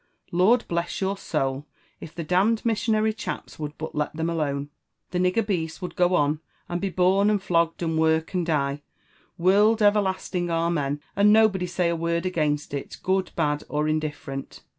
Lord bless your soul ! if the d — d missionary chaps would but let them alone, the nigger beasts would go on, and be born and flogged, and work and die, world everlasting amen, and nobody say a word against it, good, bad, or indifferent.